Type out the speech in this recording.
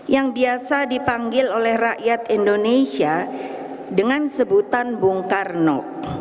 yang biasa dipanggil oleh rakyat indonesia dengan sebutan bung karno